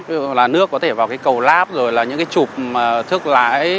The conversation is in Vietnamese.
ví dụ là nước có thể vào cái cầu láp rồi là những cái chụp thức lái